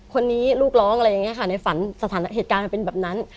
คนนี้ลูกร้องอะไรอย่างนี้ค่ะในฝันสถานการณ์มันเป็นแบบนั้น